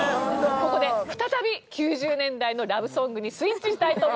ここで再び９０年代のラブソングにスイッチしたいと思います。